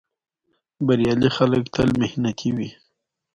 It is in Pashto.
دریشي که ساده وي، وقار لري.